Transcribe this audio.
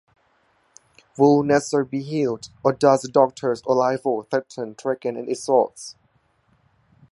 Will Nyssa be healed, or does the Doctor's arrival threaten Traken and its Source?